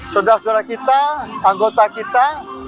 saudara saudara kita anggota kita